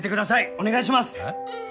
お願いします！